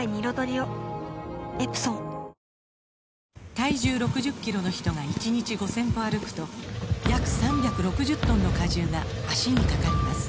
体重６０キロの人が１日５０００歩歩くと約３６０トンの荷重が脚にかかります